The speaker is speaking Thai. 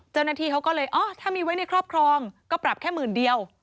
เจ้าหน้าที่เขาก็เลยอ๋อถ้ามีไว้ในครอบครองก็ปรับแค่หมื่นเดียว